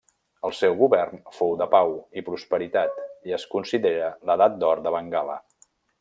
El seu govern fou de pau i prosperitat i es considera l'edat d'or de Bengala.